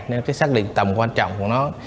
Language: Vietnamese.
nên xác định tầm quan trọng của nó